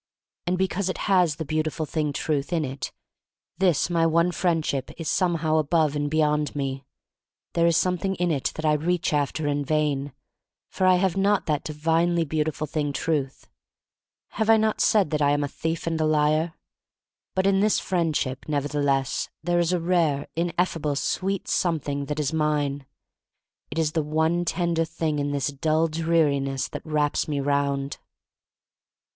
And because it has the beautiful thing Truth in it, this my one Friendship is some how above and beyond me; there is something in it that I reach after in vain — for I have not that divinely beautiful thing Truth. Have I not said that I am a thief and a liar? But in this Friendship nevertheless there is a rare, ineffably sweet something that is mine. It is the one tender thing in this dull dreariness that wraps me round.